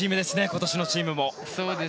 今年のチームも。